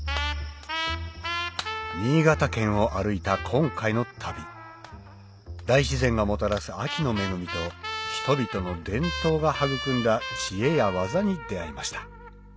新潟県を歩いた今回の旅大自然がもたらす秋の恵みと人々の伝統が育んだ知恵や技に出合いました